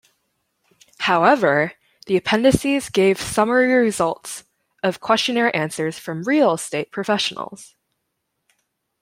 However, the appendices gave summary results of questionnaire answers from real-estate professionals.